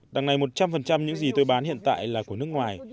đằng này một trăm linh những gì tôi bán hiện tại là của nước ngoài